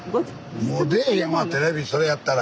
もう出えへんわテレビそれやったら。